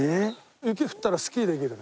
雪降ったらスキーできるね